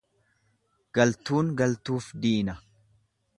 Galtuun galtuuf diina.